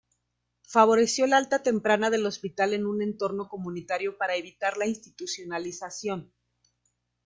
Favoreció el alta temprana del hospital en un entorno comunitario para evitar la institucionalización.